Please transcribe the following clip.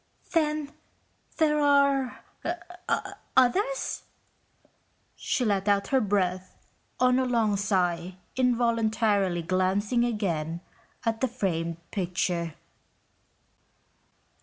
"Then there are ... others?" She let out her breath on a long sigh involuntarily glancing again at the framed picture.